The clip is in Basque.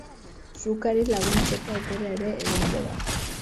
Sukari laguntzeko aukera ere egongo da.